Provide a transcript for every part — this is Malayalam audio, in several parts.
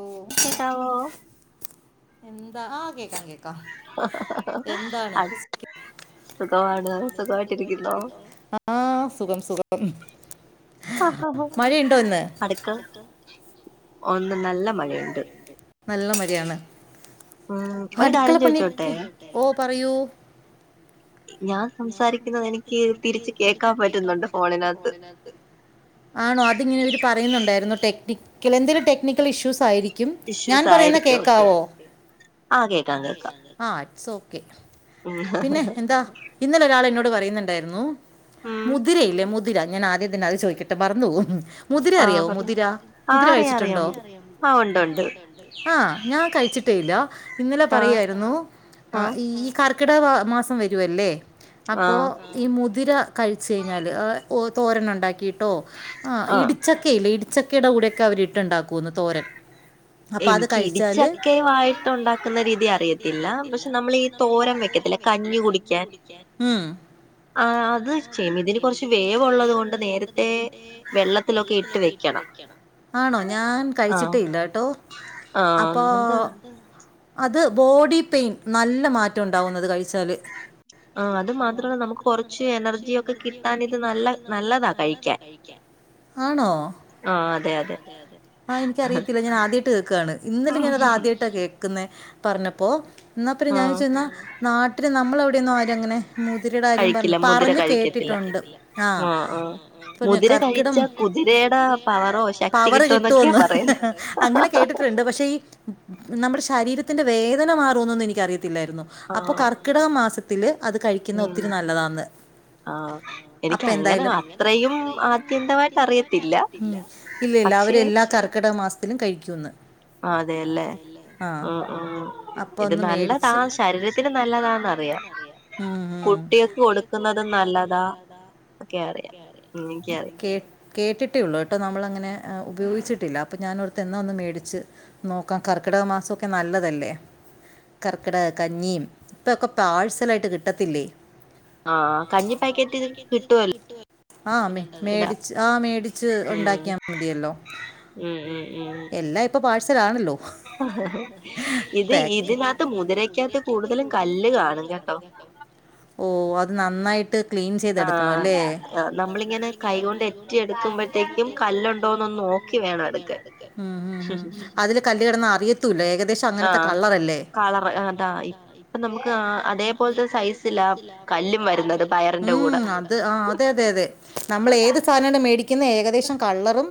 ഉം കെക്കാവോ എന്താ ആ, കേക്കാം കേക്കാം എന്താണ്. അത് സുഖമാണ് സുഖമായിട്ടിരിക്കുന്നോ. ആ സുഖം സുഖം. മഴയുണ്ടോ ഇന്ന് അട്ക്കള ഒന്ന് നല്ല മഴയുണ്ട്. നല്ല മഴയാണ്. ഉം ഒരു അടുക്കള കാര്യം ചോദിച്ചോട്ടെ പണിക്കെ ഓ പറയൂ. ഞാൻ സംസാരിക്കുന്നത് എനിക്ക് തിരിച്ച് കേക്കാൻ പറ്റുന്നുണ്ട് ഫോണിനകത്ത്. അത്. ആണോ അതിങ്ങനെവര് പറയുന്നുണ്ടായിരുന്നു ടെക്നിക്കൽ. എന്തെലും ടെക്നിക്കൽ ഇഷ്യൂസ് ആയിരിക്കും. ക്കും ഞാൻ പറയുന്ന കേക്കാവോ ആഹ് കേക്കാ ആഹ്, ഇറ്റ്സ് ഓക്കെ ഉം പിന്നെ എന്താ. ഇന്നലെ ഒരാളെന്നോട് പറയുന്നുണ്ടായിരുന്നു. ഉം മുതിരയില്ലേ, മുതിര ഞാനാദ്യംതന്നെ അത് ചോയ് ട്ട മറന്നു പോവും മുതിര ആ അറിയോ പറഞ്ഞോ മുതിര ആ മുതിര അറിയാം കഴിച്ചിട്ടുണ്ടോ? അറിയാം ആ ഉണ്ട് ഉണ്ട് ആഹ് ഞാൻ കഴിച്ചിട്ടേല്ല ഇന്നലെ ആ പറയുമായിരുന്നു ആ ഈ ഈ കർക്കിടക മാസം വരുവല്ലേ ആ അപ്പോൾ ഈ മുതിര കഴിച്ച കഴിഞ്ഞാല് തോരന ഉണ്ടാക്കിട്ടോ ആഹ് ആ ഇടിച്ച ല്ല ഇടിച്ചക്കയുടെ കൂടെക്കെ അവരിട്ട്ണ്ടാക്കന്ന് തോരൻ അപ്പൊ അത് കഴിച്ചാല് പായസം ഉണ്ടാക്കുന്ന രീതി അറിയത്തില്ല പക്ഷെ നമ്മളീ തോരം വെക്കത്തില്ല കഞ്ഞി കുടിക്കാൻ ആഹ് അത് ചെലതിന് ഇതിന് കുറച്ച് വേവുള്ളത് കൊണ്ട് നേരത്തെ വെള്ളത്തിലൊക്കെ ഇട്ട് വെക്കണം ആണോ ഞാൻ കഴിച്ചിട്ടേ ഇല്ല കേട്ടോ ആഹ് അപ്പോൾ നമക്ക് ആണോ? അത് ബോഡി പെയിൻ നല്ല മാറ്റം ഉണ്ടാവുന്നത് കഴിച്ചാല് ആഹ് അത് മാത്രല്ല നമുക്ക് കൊറച്ച് എനർജിയൊക്കെ കിട്ടാൻ ഇത് നല്ല നല്ലതാ കഴിക്കാൻ ആണോ ആഹ് അതെ അതെ ആഹ് എനിക്ക അറിയത്തില്ല ഞാൻ ആദ്യമായിട്ട് കേൾക്കുകയാണ് ഇന്നലെ ഞാന് അത് ആദ്യമായിട്ട് കേ ന്ന പറഞ്ഞപ്പോ എന്നാ പിന്നെ ആ ഞാൻ വെച്ചാ എന്നാ നാട്ടിൽ നമ്മൾെവിടെയന്നും ആരും അങ്ങനെ മുതിരയുടെ കാര്യം പറഞ്ഞ് കഴിക്കില്ല മുതിര പറഞ്ഞ് കഴിക്കത്തില്ല കേട്ടിട്ടുണ്ട് ആഹ് ആ ആ മുതിര കർക്കിടം മുതിര കഴിച്ച കുതിരയുടെ കുതിരെടെ പവറോ ശക്തി പവറ് കിട്ടുമെന്നൊക്കെയാ കിട്ടുമന്ന് പറയുന്നെ അങ്ങനെ കേട്ടിട്ട് ണ്ട് പക്ഷെ നമ്മുടെ ശരീരത്തിന്റെ വേദന മാറൂന്നന്ന് എനിക്ക അറിയത്തില്ലായിരുന്നു ആ അപ്പൊ ക കർക്കിടക മാസത്തില് അത് കഴിക്കുന്ന ഒത്തിരി നല്ലതാണ് ആഹ് എനിക്ക് അങ്ങനെ അത്രയും ആദ്യന്തമായിട്ട് അറിയത്തില്ല ഉം ഇല്ല ഇല്ല പക്ഷേ അവര് എല്ലാ കർക്കിടക മാസത്തിലും കഴിക്കന്ന് അതെല്ലേ ആഹ് അപ്പൊ ഇത് ഒന്നും നല്ലതാ മേടിച്ച് ശരീരത്തിന് നല്ലതാന്നറിയാം ഉം ഉം കുട്ടികൾക്ക് കുട്ടിക്കൾക്ക് കൊടുക്കുന്നതും കൊടുക്കുന്നത് നല്ലതാ ഒക്കെ അറിയാം എന്ന് അറിയ ഉം എനിക്കറിയാം ഒക്ക കേട്ടിട്ടേ ഉള്ളൂ കേട്ടോ നമ്മളങ്ങനെ ഉപയോഗിച്ചിട്ടില്ല അപ്പൊ ഞാൻ ഓർത്ത് എന്ന ഒന്ന് മേടിച്ച് നോക്കാം കർക്കിടക മാസമൊക്കെ നല്ലതല്ലേ കർക്കിടക കഞ്ഞിയും ഇപ്പൊക്കെ പാഴ്സലയിട്ട് കിട്ടത്തില്ലേ ആഹ് കഞ്ഞി പാക്കറ്റ് ഇത് കിട്ടുവല്ലോ ആഹ് ഇടാ മേടിച്ച് ആഹ് മേടിച്ച് ഉം ഉണ്ടാക്കിയാൽ മതിയല്ലോ ഉം ഉം ഉം എല്ലാ ഇപ്പോൾ പാഴ്സൽ ആണല്ലോ ഇത് ഇതിനകത്ത് മുതിരക്കകത്ത് കൂടുതലും കല്ല് കാണും കേട്ടോ ഓ അത് നന്നായിട്ട് ക്ലീൻ ആഹ് ചെയ്തെടുക്കണല്ലേ നമ്മളിങ്ങനെ കൈകൊണ്ട് എറ്റി എടുക്കുമ്പോഴത്തേക്കും കല്ലുണ്ടോന്നൊന്ന് നോക്കി വേണം എടുക്കാൻ ഉം ഉം ഉം അതില് കല്ല് കിടന്ന് അറിയത്തൂല്ല ഏകദേശ അങ്ങനത്തെ ആഹ് കളരല്ലേ കളർ അതാ ഇപ്പൊ നമുക്ക് ഉം ആ അതേപോലത്തെ സൈസിലാ കല്ലും വരുന്നത് പയറിന്റെ കൂടെ അത് ആഹ് അതെ അതെ അതെ നമ്മൾ ഏത് സാധനമാണ് മേടിക്കുന്നത് ഏകദേശം കളറും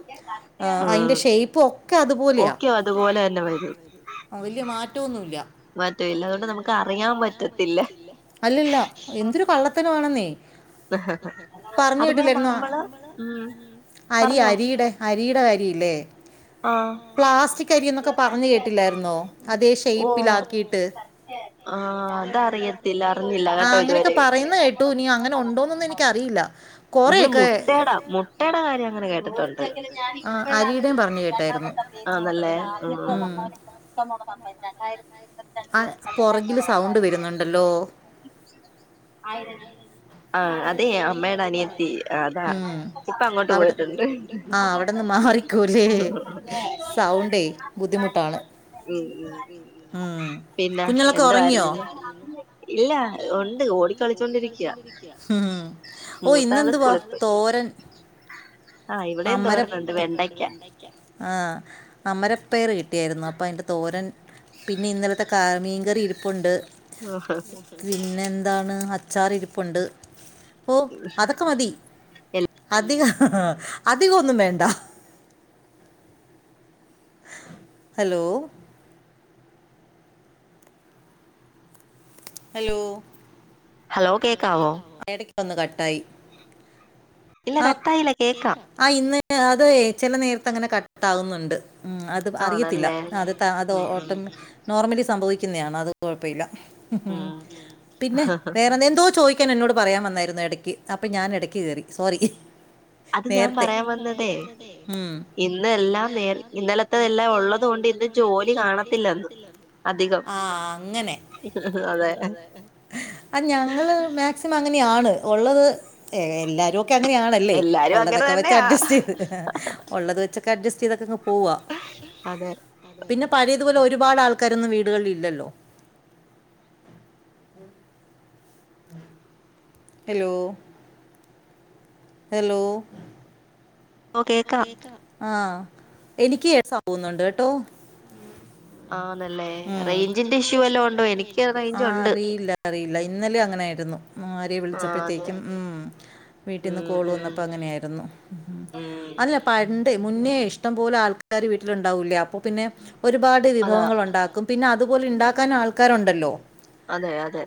ഉം അയിന്റെ ഷേപ്പും ഒ ഓക്കെ അതുപോലെ തന്നെ വരും ആഹ് വല്യ മാറ്റം ഒന്നുല്ല മറ്റൂല്ല അതുകൊണ്ട് നമുക്ക് അറിയാൻ പറ്റത്തില്ല അല്ലല്ല എന്തൊരു കള്ളത്തരം ആണെന്നെ പറഞ്ഞ അതുപോലെ കേിട്ടില്ലായിന്ന നമ്മള് ഉം അരി പറഞ്ഞോ അരിയുടെ അരിയുടെ അരിയില്ലേ ആഹ് പ്ലാസ്റ്റിക് അരി എന്നൊക്കെ പറഞ്ഞ കേട്ടില്ലായിരുന്നോ അതെ ഓ ഷേപ്പില ആക്കിയിട്ട് ആഹ് അതറിയത്തില്ല അറിഞ്ഞില്ല ആ കേട്ടോ അങ്ങനെയൊക്കെ ഇതുവരെ പറയുന്ന കേട്ട് ട്ടോന അങ്ങനെ ഉണ്ടോന്നൊന്ന എനിക്കറിയില്ല നമ്മള് മുട്ടയുടെ മുട്ടയുടെ കാര്യം അങ്ങനെ കേട്ടിട്ടുണ്ട് ആ അരിയുടെയും പറഞ്ഞു കേട്ടായിരുന്നു ആ നല്ലേ ഉം ആ പുറകില് സൗണ്ട് വരുന്നുണ്ടല്ലോ ആഹ അതെ അമ്മടെ അനി ഉ അവിടെ പോയിട്ടുണ്ട് ആ അവിടെന്ന് മാറിക്കല്ലേ സൗണ്ടേ ബുദ്ധിമുട്ടാണ് ഉ ഉ ഉം പിന്നെ കുഞ്ഞളൊക്കെ എന്ത ഉറങ്ങിയോ ആരായിരുന്നു ഇല്ല ഉണ്ട് ഓടിക്കളിച്ചോണ്ടിരിക്കാ ഉം ഓ ഇന്നെന്തുവാ സ്കൂളിൽ പോയി തോരൻ ആഹ ഇവിടെം തോരണുണ്ട് വെണ്ടയ്ക്ക ആഹ അമരപയർ കിട്ടിയായിരുന്നു അപ്പൊ അതിന്റെ തോരൻ പിന്നെ ഇന്നലത്തെ കാ മീൻകറി ഇരിപ്പുണ്ട് ആഹാ പിന്നെ എന്താണ് അച്ചാറി ഇരിപ്പുണ്ട് ഓ അതൊക്കെ മതി അധികം അധികം ഒന്നും വേണ്ട ഹലോ ഹലോ കേക്കാവോ എടക്ക് ഒന്ന് കട്ടായി ഇല്ല ആ കട്ടായില്ല കേക്കാം ആ ഇന്ന് അത ചില നേരത്തെ അങ്ങനെ കട്ടാവുന്നുണ്ട് അത് അറിയത്തില്ല ആണല്ലേ അത് ത അത്‌ ഉം ഉം ഓട്ടോ നോർമലി സംഭവിക്കുന്നതാണ് അത് കുഴപ്പമില്ല ഉം പിന്നെ വേറെന്താ എന്തോ ചോദ ക്കാൻ എന്നോട് പറയാൻ വന്നായിരുന്നു ഇടയ്ക്ക് അപ്പൾ ഞാൻടക്ക് കയറി സോറി നേരത്തെ ഞാൻ പറയാൻ വന്നതേ ഇന്ന് എല്ലാം ഇന്നെല്ലാം നേ ഇന്നലത്തെതെല്ലാം ഉള്ളത് ഇന്നലത്തെെല്ലാം കൊണ്ട് ഇന്ന് ഉള്ളത ജോലി കാണത്തില്ലെന്ന് കാണത്തില്ല അധികം ആ അങ്ങനെ അതെ ആ അത്‌ ഞങ്ങള് മാക്സിം അങ്ങനെയാണ് ഉള്ളത് എല്ലരും കഒക്കെ അങ്ങനെയണല്ലേ എല്ലാരും അങ്ങനെ ഉള്ളതൊക്കെ വെച്ച് തന്നെയാ അഡ്സ്റ്റ് ചെയ്ത് ഉള്ളത് വെച്ചൊക്കെ അഡ്ജസ്റ്റ് ചെയ്തെ പോവാ അതെ പിന്നെ പഴയതുപോലെ ഒരുപാട് ആൾക്കാരൊന്നും വീടുകളിൽ ഇല്ലല്ലോ ഉം ഉ ഹലോ ഹലോ ഓ കേക്കാം ആഹ എനിക്ക് സവുന്നുണ്ട് കേട്ടോ ആന്നല്ലേ റേഞ്ചിന്റെ ഇഷ്യൂ എല്ലാം ഉണ്ടോ എനിക്ക് ആ റേഞ്ച് ഉണ്ട് അറിയില്ല അറിയില്ല ഇന്നലും അങ്ങനൊയിരുന്നു ആര് ആഹ് അതെ വിളിച്ചപ്പോഴത്തേക്കും ഉ വീട്ടിൽന്ന് ഉം കോള് ഉം വന്നപ്പോ അങ്ങനെയായിരുന്നു ഉം അല്ല പണ്ട് മുന്നേ ഇഷ്ടം പോലെ ആൾക്കാര് വീട്ടിലുണ്ടാവൂലെ അപ്പൊ പിന്നെ ഒരുപാട് അതാ വിഭവങ്ങൾ ഉണ്ടാക്കും പിന്നെ അതുപോലെ ഉണ്ടാക്കാൻ ആൾക്കാരുണ്ടല്ലോ അതെ അതെ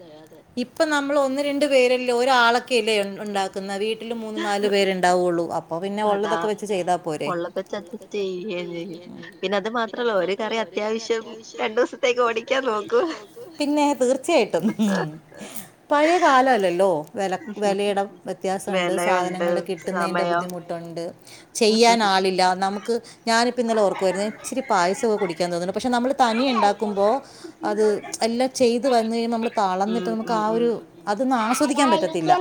ഇപ്പൊ നമ്മൾ ഒന്ന് രണ്ടു പേരെല്ല ഒരാളൊക്കല്ലേ ഉണ്ടാക്കുന്ന വീട്ട വീട്ട മൂന്ന് നാല് പേര് ഉണ്ടാവയുള്ളൂ അതാ ഉള്ളപ്പച്ച് അഡ്ജസ്റ്റ് ചെയ്യുകന്ന് ചെയ്യും പിന്നെ അത് മാത്രല്ല ഒ കറി അത്യാവശ്യം രണ്ടു ദിവസ ഓ പിന്നെ തീർച്ചയായിട്ടും ഉ പഴയ കാലല്ലല്ലോ വില വിലയുടെ വ്യത്യാസമുണ്ട് വിലയുണ്ട് സാധനങ്ങളൾ കിട്ടുന്നതിൻ്റെ സമയം ബുദ്ധിമുട്ട് ട്ടുണ്ട് ചെയ്യാൻ ആളില്ല നമുക്ക് ഞാനിപ്പോഇന്നലെ ഓർക്കായിരുന്നുഇച്ചിരി പായസക്കെ കുടിക്കാൻ തോന്നുന്നു പക്ഷെ നമ്മൾ തനി ഉണ്ടാക്കുമ്പോ അത് എല്ലാം ചെയ്ത് വന്ന കഴഞ്ഞൽ നമ്മള് തളർന്നിട്ട് ഉം നമുക്ക് ഉം ആ ഉം ഒരു അതൊന്നും ആസ്വദിക്കാൻ പറ്റത്തില്ല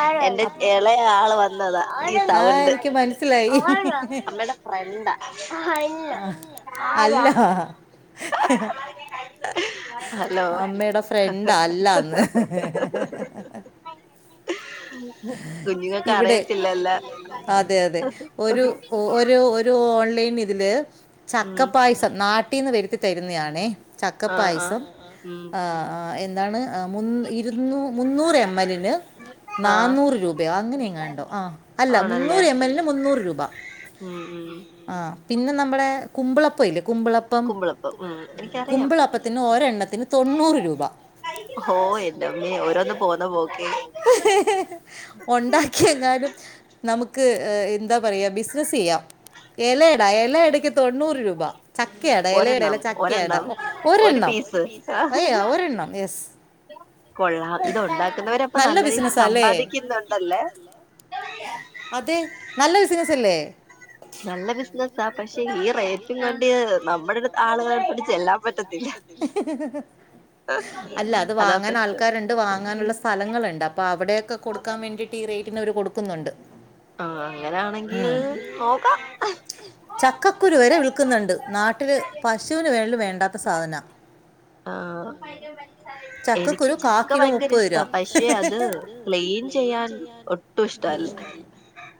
ആ എന്റെ ഇളയ ആള് വന്നതാ ഈ ആ സൗണ്ട് എനിക്ക് മനസ്സിലായി അമ്മ എന്താഞ്ഞ അല്ലോ ഹഹ ഹലോ അമ്മയുടെ ഫ്രണ്ട അല്ലന്ന് കുഞ്ഞുങ്ങൾക്ക ഇവിടെ അറിയത്തില്ലല്ലാ അതെ അതെ ഒരു ഒരു ഒരു ഓൺലൈൻ ഇതില് ഉം ചക്കപായസം നാട്ടീന്ന് വരുത്തി തരുന്നതാണേ ആഹ് ആഹ് ചക്കപ്പായസം ഉം ആ എന്താണ് മുൻ ഇരുന്നൂ മുന്നൂറ് എം എൽല്ലിന് ആഹ് നന്നൂറ് രൂപയോ അങ്ങനെയങ്ങാണ്ടോ ആ അല്ല ആണല്ലേ മുന്നൂറ് എം എല്ലിന് മുന്നൂറ് രൂപ ഉം ഉം ആ പിന്നെ നമ്മുടെ കുമ്പളപ്പ ഇല്ലേ കുമ്പളപ്പം കുമ്പളപ്പം ഉം അപ്പം എനിക്കറിയാം കുമ്പിള അപ്പത്തിന് ഒരെണ്ണത്തിന് തൊണ്ണൂറ് രൂപ ഓ എന്റമ്മേ ഓരോന്ന് പോന്ന പോക്കെ ഉണ്ടാക്കിയെങ്ങാനും നമുക്ക് എന്താ പറയാ ബിസിനസ്സ് യ്യാം ഇലട ഇലടയ്ക്ക് തൊണ്ണൂറ് രൂപ ചക്കടാ ഇലടല്ല ഒരെണ്ണം ചക്കടാ ഒരെണ്ണം ഒരു ഒരെണ്ണം പീസ് അയ്യ ഒരെണ്ണം കൊള്ളാം ഇത് ഉണ്ടാക്കുന്നവര അപ്പൊ നല്ല രീതിയിൽ ബിസിനസ്സാ അല്ലേ സമ്പാദിക്കുന്നുണ്ടല്ലേ അതെ നല്ല ബിസിനസല്ലേ നല്ല ബിസിനസ്സ പക്ഷെ ഈ റേറ്റി കൊണ്ട് നമ്മുടെ അടു ആളുകളെ അടുത്ത് ചെല്ലാൻ പറ്റത്തില്ല അല്ല അത് അതാ വാങ്ങാൻ പ്രശ്നം ആൾക്കാരുണ്ട് വാങ്ങാനുള്ള സ്ഥലങ്ങളുണ്ട് അപ്പൊ അവിടെക്കെ കൊടുക്കാൻ വേണ്ടി ഈറേറ്റിന് അവര് കൊടുക്കുന്നുണ്ട് ആ അങ്ങനാണെങ്കിൽ നോക്കാം ചക്കക്കുരുവരെ വില്ക്കുന്നുണ്ട് നാട്ടില് പശുവിന് വരെ വേണ്ടാത്ത സാധന ആഹ ആ എനിക്ക് ചക്ക ഭയങ്കര ഇഷ്ടാ പക്ഷെ അത് ക്‌ളീൻ ചെയ്യാൻ ഒട്ടും ഇഷ്ടല്ല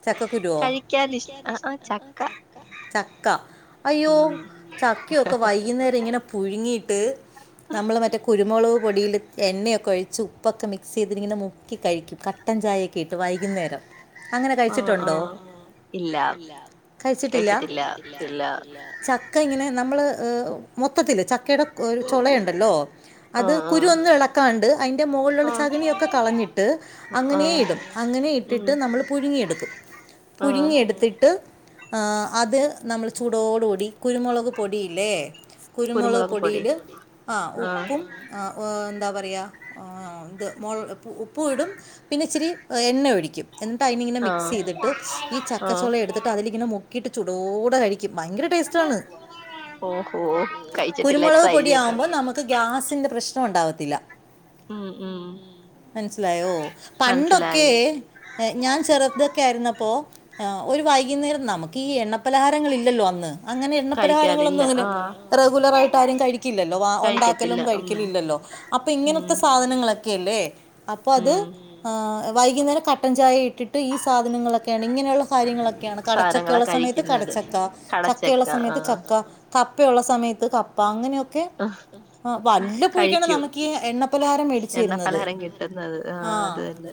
ചക്കക്കുരുവോ കഴിക്കൻ ഇഷ്ട ആ ചക്ക ചക്ക അയ്യോ ഉം ചക്കയൊക്കെ വൈകുന്നേരം ഇങ്ങനെ പുഴുങ്ങി ട്ട്നമ്മൾ മറ്റേ കുരുമുളക് പൊടിയില് എണ്ണയൊക്കെ ഒഴി ച ഉപ്പൊക്കെ മിക്സ് ചെയ്തിങ്ങനെ മുക്കി കഴിക്കും കട്ടൻ ചായക്കെ ഇട്ട് വൈകുന്നേരം അങ്ങനെ ആ ആ കഴിച്ചിട്ടുണ്ടോ ഇല്ല കഴിച്ചിട്ടില്ല ചക്ക ഇങ്ങനെ നമ്മള് മൊത്തത്തില് ചക്കയുടെ ചൊളയുണ്ടല്ലോ ആ അത് ആ കുരു ഒന്ന് ഇളക്കാണ്ട് അതിൻ്റെ മുകളിലുള്ള ആ ചകണിയൊക്കെ കളഞ്ഞിട്ട് ആ അങ്ങനെ ഇടും അങ്ങനെ ഉം ഇട്ടിട്ട് നമ്മൾ പുഴുങ്ങിയെടുക്കും ആ പുഴുങ്ങിയെടുത്തിട്ട് അ അത് നമ്മൾ ചൂടോട് കൂടി കുരുമുളക് പൊടിയില്ലേ കുരുമുളക് പൊടില് ആ ഉപ്പും എന്താ പറയ ഇത് മൊ ഉപ്പു ഇടും പിന്നെ ഇച്ചിരി എണ്ണ ഒഴിക്കും എ ടൈമിലിങ്ങനെ ആ മിക്സ് ചെയ്തിട്ട് ഈ ആ ചക്കച്ചോള എടുത്തിട്ട് അതിലിങ്ങനെ മുക്കിയിട്ട് ചൂടോടെ കഴിക്കും ഭയങ്കര ടേസ്റ്റാണ് ഓ ഹോ കുരുമുളക് പൊടിയാകുമ്പോൾ നമുക്ക് ഗ്യാസിൻ്റെ പ്രശ്നമു ണ്ടാവത്തില്ല. ഉം ഉം മനസിലായോ പണ്ടൊക്കെ മനസ്സിലായി ഏ ഞാൻ ചെറുതൊക്കെ ആയിരുന്നപ്പോ ആ് ഒരു വൈകുന്നേരം നമുക്ക് ഈ എണ്ണപലഹാരങ്ങൾ ഇല്ലല്ലോ അന്ന് അങ്ങനെ എണ്ണ കഴിക്കാറില്ല പരിഹാരങ്ങളൊന്നും അന്ന് ആ റെഗുലറായിട്ട് ട്ടാരും കഴിക്കില്ലല്ലോ വ ഉണ്ടാക്കലും കഴിക്കത്തില്ല ഉം കഴിക്കലില്ലല്ലോ അപ്പൊ ഉം ഇങ്ങനത്തെ സാധനങ്ങളൊക്കെല്ലേ അപ്പൊ അത് ഉം വൈകുന്നേരം കട്ടൻ ചായ ഇട്ടിട്ട് ഈ സാധനങ്ങളൊക്കെ ഇങ്ങനെയുള്ള കാര്യങ്ങളൊക്കെയാണ്. സാധനങ്ങളാ കടച്ചക്കയുള്ള സമയത്ത് കഴിക്കുന്നത് കടച്ചക്ക. ചക്കയുള്ള കടച്ചക്ക ആ സമയത്ത് ചക്ക. കപ്പയുള്ള സമയത്ത് കപ്പ. അപ്പ അങ്ങനെയൊക്കെ ആ വല്ലപ്പൊഴക്കാണ് കഴിക്കൂ നമുക്ക് എണ്ണപ്പലഹാരം മേടിച്ചു എണ്ണ തരുന്നത്. പലഹാരം കിട്ടുന്നത് ആഹ് അത് തന്നെ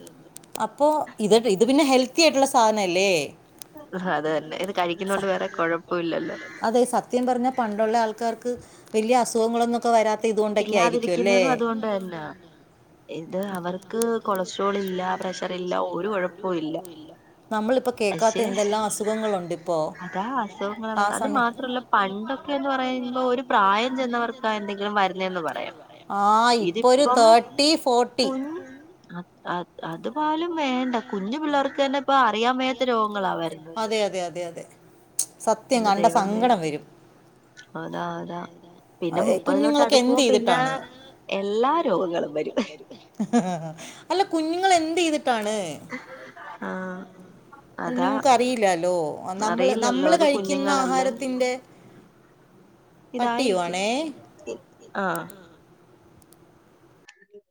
അപ്പൊ ഇത് ഇത് പിന്നെ ഹെൽത്തി ആയിട്ടുള്ള സാധനല്ലേ അതന്നെ ഇത് കഴിക്കുന്ന കൊണ്ട് വേറെ കൊഴപ്പവും ഇല്ലല്ലോ അതെ സത്യം പറഞ്ഞാ പണ്ടൊള്ള ആൾക്കാർക്ക് വലിയ അസുഖങ്ങളൊന്നും ഒക്കെ വരാത്ത ഇതുകൊണ്ടൊക്കെ ആയിരിക്കും ല്ലേ? ഇല്ലാതിരിക്കുന്നതും [unintelligible] ഇത് അവർക്ക് കൊളസ്ട്രോളില്ല, പ്രഷറില്ല ഒരു കൊഴപ്പോം ഇല്ല. നമ്മളിപ്പോൾ കേൾക്കാത്ത പക്ഷെ എന്തെല്ലാം അസുഖങ്ങളുണ്ട് ഇപ്പോൾ അതാ അസുഖങ്ങള് ആ വരാ അത് സമയം മാത്രല്ല. പണ്ടൊക്കെന്ന് പറയുമ്പോ ഒരു പ്രായം ചെന്നവർക്കാ എന്തെങ്കിലും വരു ആഹ് ഇപ്പ ഒരു തേർട്ടി ഫോർട്ടി. കുഞ്ഞ് അ അ അതു പോലും വേണ്ട. കുഞ്ഞു പിള്ളേർക്ക് തന്നെ ഇപ്പ അറിയാൻ വയ്യാത്ത ത്ത രോഗങ്ങളാവരുന്നത്. അതെ അതെ അതെ അതെ സത്യം എന്റെ കണ്ട ദൈവമേ സങ്കടം വരും അതാ അതാ. പിന്നെ മുപ്പതിലോട്ട് കുഞ്ഞുങ്ങളൊക്കെ അടുക്ക എന്ത് ക്കുമ്പോ പിന്ന ചെയ്തിട്ടാണ് എല്ലാ രോഗങ്ങളും വരും. അല്ല കുഞ്ഞുങ്ങള് എന്ത് ചെയ്തിട്ടാണ്? ആ അതാ കുഞ്ഞുങ്ങക്കറിയില്ലാല്ലോ. നമ്മള് അറിയില്ലല്ലോ നമ്മള് അത് കഴിക്കുന്ന കുഞ്ഞുങ്ങളല്ലേ ആഹാരത്തിന്റെ കട്ട് ചെയ്യുവാണോ? ആഹ് [inaudible]